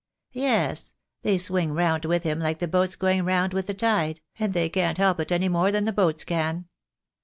Yes, they swing round with him like the boats going round with the tide, and they can't help it any more than the boats can.